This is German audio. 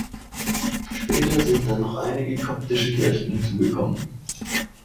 Später sind dann noch einige koptische Kirchen hinzugekommen.